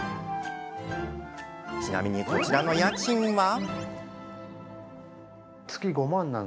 ちなみに、こちらの家賃は？